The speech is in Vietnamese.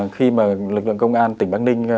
khi mà lực lượng công an tỉnh bắc ninh